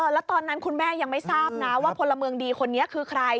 แล้วตอนนั้นคุณแม่ยังไม่ทราบนะว่าพลเมืองดีคนนี้คือใคร